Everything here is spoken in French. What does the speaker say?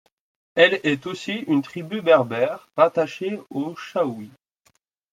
Elle est aussi une tribu berbère rattachée aux Chaouis.